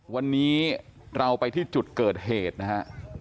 วันนี้เราไปที่จุดเกิดเหตุนะฮะ